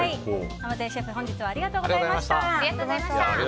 鯰江シェフ、本日はありがとうございました。